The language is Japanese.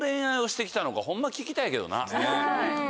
ホンマ聞きたいけどな。